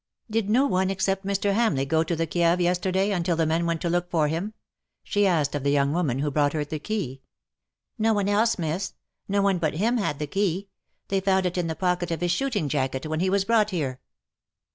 '^ Did no one except Mr. Hamleigh go to the Kieve yesterday until the men went to look for him T' she asked of the young woman who brought her the key. "No one else, Miss. No one but him had the key. They found it in the pocket of his shooting jacket when he was brought here.'